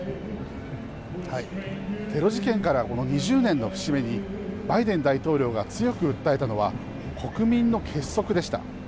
テロ事件からこの２０年の節目に、バイデン大統領が強く訴えたのは、国民の結束でした。